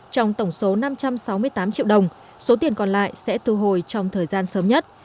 trong tổng số năm trăm sáu mươi tám triệu đồng số tiền còn lại sẽ thu hồi trong thời gian sớm nhất